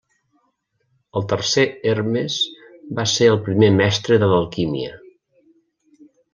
El tercer Hermes va ser el primer mestre de l'alquímia.